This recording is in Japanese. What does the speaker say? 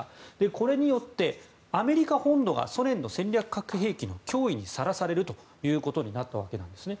これによってアメリカ本土がソ連の戦略核兵器の脅威にさらされることになったわけですね。